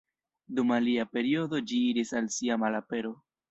Dum alia periodo ĝi iris al sia malapero.